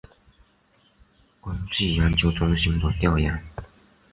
根据研究中心的调研